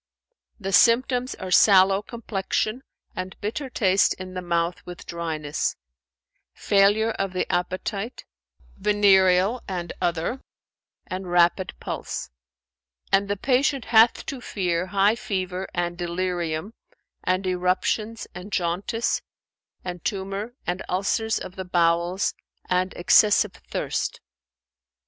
"The symptoms are sallow complexion and bitter taste in the mouth with dryness; failure of the appetite, venereal and other, and rapid pulse; and the patient hath to fear high fever and delirium and eruptions and jaundice and tumour and ulcers of the bowels and excessive thirst."